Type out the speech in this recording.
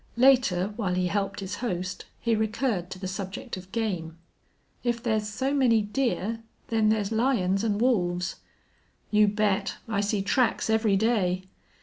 Later, while he helped his host, he recurred to the subject of game. "If there's so many deer then there's lions an' wolves." "You bet. I see tracks every day.